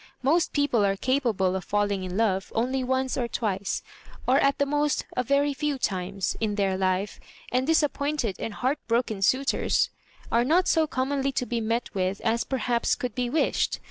Most peo^ are capable of falling in love only once or twice, or at the most a very few times, in their Ufe; and disappointed and heartbroken suitors are not so commonly to be met with as perhaps could be wished.